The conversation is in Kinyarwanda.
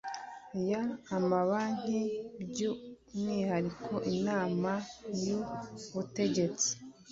y amabanki by umwihariko inama y ubutegetsi